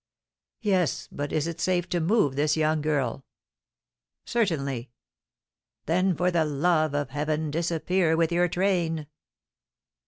"Yes; but is it safe to move this young girl?" "Certainly." "Then, for the love of heaven, disappear with your train!"